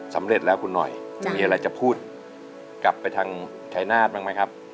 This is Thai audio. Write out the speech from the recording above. สำเร็จแล้วคุณหน่อยมีอะไรจะพูดกลับไปทางชายนาฏบ้างไหมครับ